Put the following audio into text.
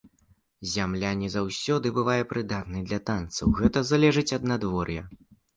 Зямля не заўсёды бывае прыдатнай для танцаў, гэта залежыць ад надвор'я.